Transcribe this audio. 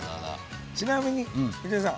ちなみに水谷さん